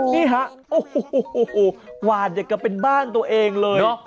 นี่ฮะโอ้โหกวาดอย่างกับเป็นบ้านตัวเองเลย